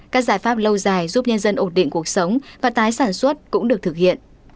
các giải pháp lâu dài giúp nhân dân ổn định cuộc sống và tái sản xuất cũng được thực hiện